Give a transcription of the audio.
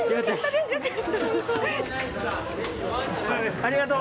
ありがとう。